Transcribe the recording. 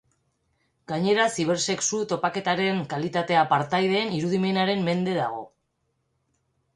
Gainera zibersexu-topaketaren kalitatea partaideen irudimenaren mende dago.